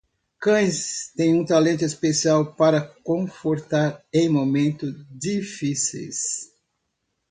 Cães têm um talento especial para confortar em momentos difíceis.